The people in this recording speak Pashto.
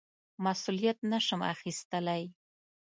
مسوولیت نه شم اخیستلای.